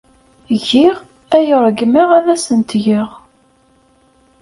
Giɣ ayen ay ṛeggmeɣ ad asen-t-geɣ.